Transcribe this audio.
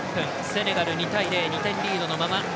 セネガル、２対０２点リードのまま。